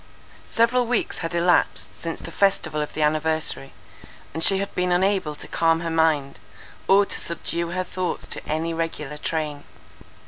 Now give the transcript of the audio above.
Several weeks had elapsed since the festival of the anniversary, and she had been unable to calm her mind, or to subdue her thoughts to any regular train.